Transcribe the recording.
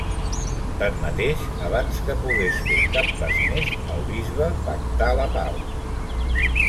Tanmateix abans que pogués fer cap pas més, el bisbe, pactà la pau.